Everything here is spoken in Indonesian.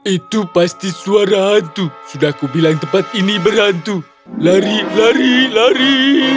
itu pasti suara hantu sudah kubilang tepat ini berhantu lari lari lari